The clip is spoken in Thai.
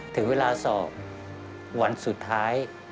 ถึงเวลาสอบวันสุดท้าย